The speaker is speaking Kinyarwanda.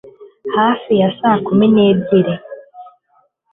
hafi ya saa kumi n'ebyiri